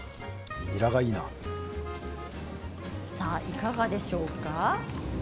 いかがでしょうか。